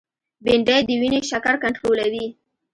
بېنډۍ د وینې شکر کنټرولوي